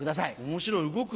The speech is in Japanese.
面白い動く。